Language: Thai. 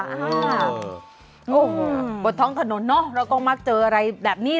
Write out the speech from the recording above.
โอ้โหบนท้องถนนเนอะเราก็มักเจออะไรแบบนี้